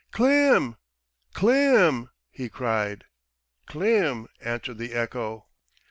"Klim! Klim," he cried. "Klim," answered the echo.